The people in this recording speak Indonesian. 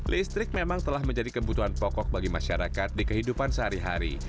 listrik memang telah menjadi kebutuhan pokok bagi masyarakat di kehidupan sehari hari